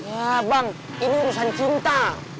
ya bang ini urusan cinta